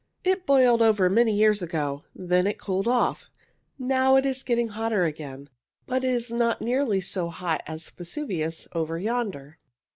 It boiled over many years ago, then it cooled off. Now it is getting hotter again, but it is not nearly so hot as Vesuvius over yonder."